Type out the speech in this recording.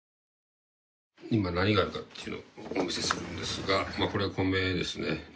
今、何があるかをお見せするんですが、これが米ですね。